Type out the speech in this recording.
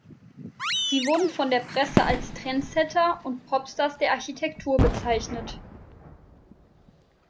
Sie wurden von der Presse als „Trendsetter“ und „Popstars der Architektur“ bezeichnet.